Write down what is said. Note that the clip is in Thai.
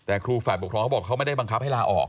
แต่ครูฝ่ายปกครองเขาบอกเขาไม่ได้บังคับให้ลาออก